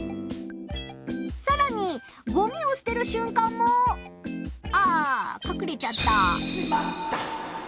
さらにごみを捨てるしゅんかんもあかくれちゃった！